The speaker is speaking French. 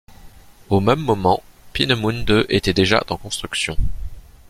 Au même moment, Peenemünde était déjà en construction.